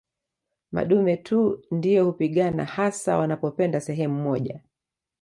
Madume tu ndio hupigana hasa wanapopenda sehemu moja